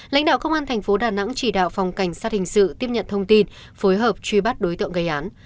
lãnh đạo công an thành phố đà nẵng chỉ đạo phòng cảnh sát hình sự tiếp nhận thông tin phối hợp truy bắt đối tượng gây án